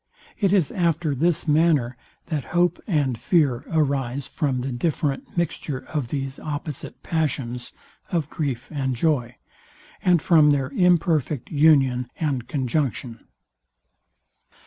It is after this manner that hope and fear arise from the different mixture of these opposite passions of grief and joy, and from their imperfect union and conjunction.